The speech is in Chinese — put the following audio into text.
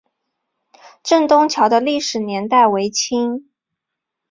镇东桥的历史年代为清。